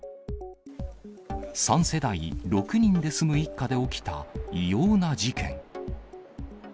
３世代６人で住む一家で起きた異様な事件。